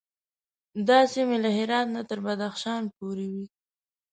دا سیمې له هرات نه تر بدخشان پورې وې.